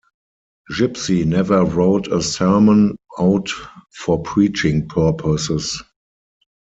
Gipsy never wrote a sermon out for preaching purposes.